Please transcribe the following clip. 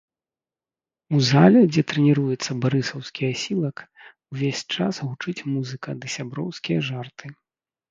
У зале, дзе трэніруецца барысаўскі асілак, увесь час гучыць музыка ды сяброўскія жарты.